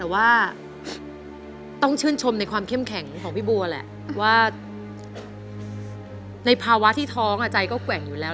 แต่ว่าต้องชื่นชมในความเข้มแข็งของพี่บัวแหละว่าในภาวะที่ท้องใจก็แกว่งอยู่แล้ว